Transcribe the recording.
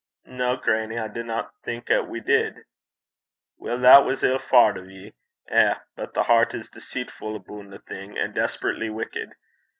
'No, grannie; I dinna think 'at we did.' 'Weel, that was ill faured o' ye. Eh! but the hert is deceitfu' aboon a' thing, and desperately wicked.